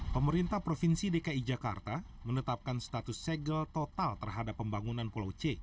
pemerintah provinsi dki jakarta menetapkan status segel total terhadap pembangunan pulau c